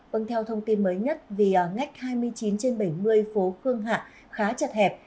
vâng theo thông tin mới nhất vì ngách hai mươi chín trên bảy mươi phố khương hạ khá chật hẹp